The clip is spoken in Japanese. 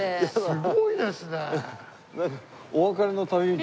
すごいですね。